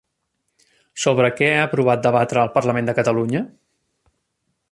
Sobre què ha aprovat debatre el Parlament de Catalunya?